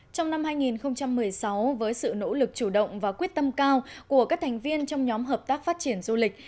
trong năm hai nghìn một mươi sáu với sự nỗ lực chủ động và quyết tâm cao của các thành viên trong nhóm hợp tác phát triển du lịch